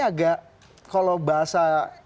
agak kalau bahasa